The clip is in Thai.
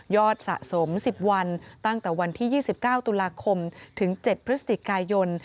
สะสม๑๐วันตั้งแต่วันที่๒๙ตุลาคมถึง๗พฤศจิกายน